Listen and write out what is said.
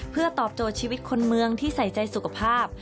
เพื่อตอบโจทย์ชีวิตคนเมืองที่ใส่ใจสุขภาพ